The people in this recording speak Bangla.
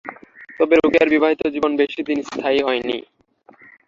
তবে রোকেয়ার বিবাহিত জীবন বেশিদিন স্থায়ী হয়নি।